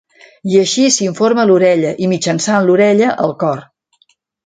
I així s'informa l'orella, i mitjançant l'orella, el cor.